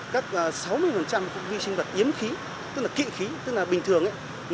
các sáu mươi của vi sinh vật yếm khí tức là kị khí tức là bình thường